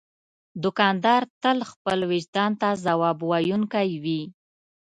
دوکاندار تل خپل وجدان ته ځواب ویونکی وي.